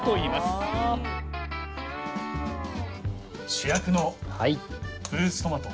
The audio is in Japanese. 主役のフルーツトマト。